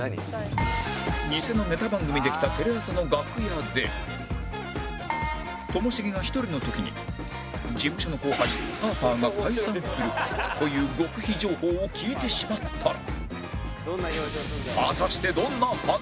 偽のネタ番組で来たテレ朝の楽屋でともしげが１人の時に事務所の後輩パーパーが解散するという極秘情報を聞いてしまったら